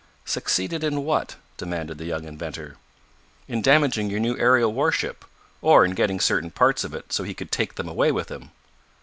"Succeeded in what?" demanded the young inventor. "In damaging your new aerial warship, or in getting certain parts of it so he could take them away with him."